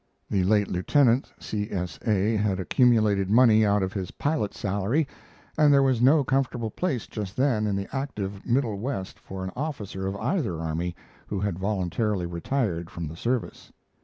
The late lieutenant C. S. A. had accumulated money out of his pilot salary, and there was no comfortable place just then in the active Middle West for an officer of either army who had voluntarily retired from the service.